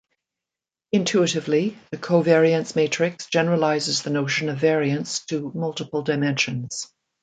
Intuitively, the covariance matrix generalizes the notion of variance to multiple dimensions.